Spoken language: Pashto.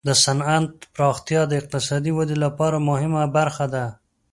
د صنعت پراختیا د اقتصادي ودې لپاره مهمه برخه ده.